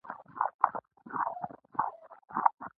له وړاندې د اقتصادي ناورین